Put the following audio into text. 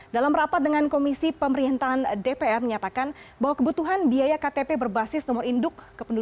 dalam rapat dengan komisi pemerintahan dpr menyatakan bahwa kebutuhan biaya ktp berbasis nomor induk